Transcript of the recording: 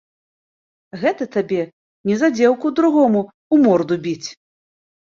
Гэта табе не за дзеўку другому ў морду біць!